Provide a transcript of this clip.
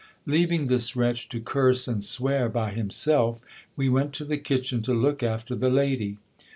Leaving this wretch to curse and swear by himself, we went to the kitchen to look after the lady.